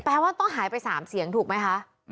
แปลว่าต้องหายไป๓เสียงถูกไหมคะ